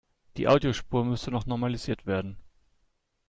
Die Audiospur müsste noch normalisiert werden.